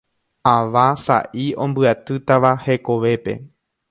Ava sa'i ombyatýtava hekovépe.